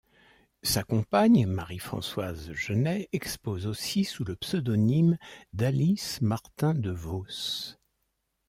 Sa compagne Marie Françoise Genet expose aussi sous le pseudonyme d'Alice Martin de Voos.